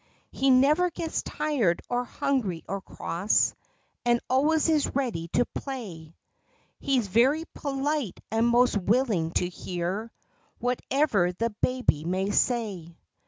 He never gets tired, or hungry, or cross, And always is ready to play; He's very polite and most willing to hear Whatever the baby may say.